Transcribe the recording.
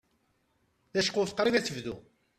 Taceqquft qrib ad tebdu.